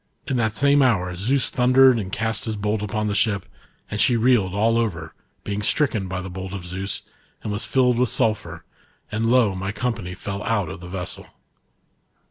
In that same hour Zeus thundered and cast his b^lt upon the ship, and she reeled all over, being stricken by the bolt of Zeus, and was filled with sulphur, and lo, my company lell out of the vessel.